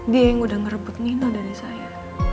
dia yang udah ngerebut mino dari saya